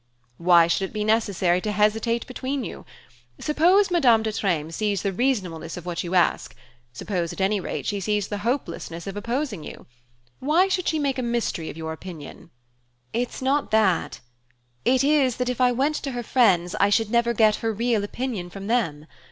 "Why should it be necessary to hesitate between you? Suppose Madame de Treymes sees the reasonableness of what you ask; suppose, at any rate, she sees the hopelessness of opposing you? Why should she make a mystery of your opinion?" "It's not that; it is that, if I went to her friends, I should never get her real opinion from them.